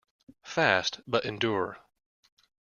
Fast, but endure.